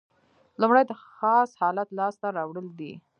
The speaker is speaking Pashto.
لومړی د خاص حالت لاس ته راوړل دي.